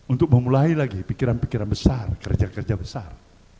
untuk memulai lagi pikiran pikiran besar kerja kerja besar